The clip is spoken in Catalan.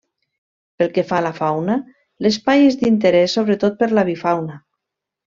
Pel que fa a la fauna, l'espai és d'interès sobretot per a l'avifauna.